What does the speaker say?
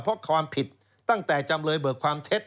เพราะความผิดตั้งแต่จำเลยเบิกความเท็จ